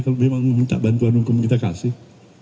kalau memang minta bantuan hukum kita kasih